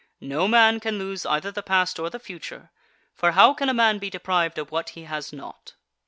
No man can lose either the past or the future, for how can a man be deprived of what he has not?